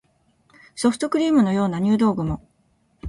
ソフトクリームのような入道雲